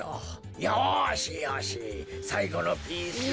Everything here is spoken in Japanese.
よしよしさいごのピースを。